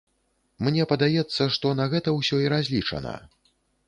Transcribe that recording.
Мне падаецца, што на гэта ўсё і разлічана.